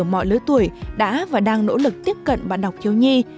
các tác giả ở mọi lứa tuổi đã và đang nỗ lực tiếp cận bạn đọc thiếu nhi